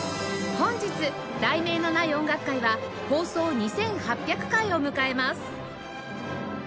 本日『題名のない音楽会』は放送２８００回を迎えます！